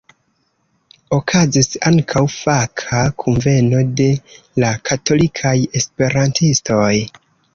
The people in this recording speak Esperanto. Okazis ankaŭ faka kunveno de la katolikaj esperantistoj.